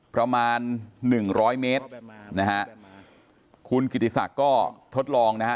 ประมาณหนึ่งร้อยเมตรนะฮะคุณกิติศักดิ์ก็ทดลองนะฮะ